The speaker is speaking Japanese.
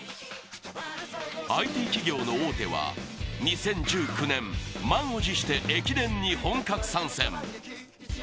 ＩＴ企業の大手は２０１９年、満を持して駅伝に本格参戦。